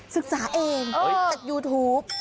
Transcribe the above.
ศึกษาเองจากยูทูป